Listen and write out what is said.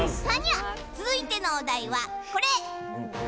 続いてのお題は、これ。